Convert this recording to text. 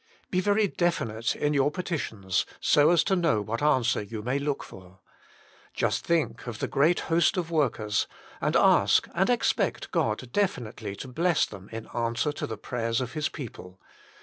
Be very definite in your petitions, so as to know what answer you may look for. Just think of tlie great host of workers, and ask and expect God definitely to bless them in answer to the prayers of His people.